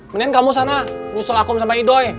mendingan kamu sana nyusul akum sama idoi